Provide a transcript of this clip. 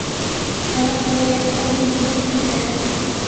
افراط زر ایکدم کنٹرول نہیں ہوگا۔